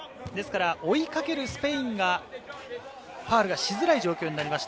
追いかけるスペインがファウルがしづらい状況になりました。